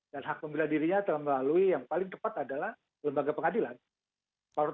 dan hak pembelan dirinya telah melalui yang paling tepat adalah lembaga pengadilan